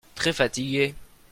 Très fatigué.